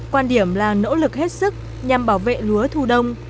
quan điểm là nỗ lực hết sức nhằm bảo vệ lúa thu đông